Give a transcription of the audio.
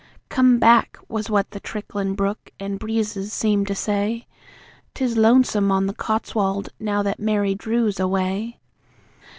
"COME BACK!" was what the tricklin' brook an' breezes seemed to say. "'TIS LONESOME ON THE COTSWOLDS NOW THAT MARY DREW'S AWAY."